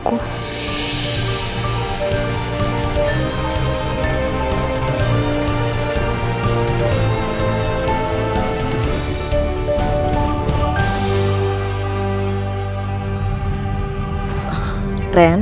aku mau berhenti